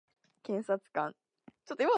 検察官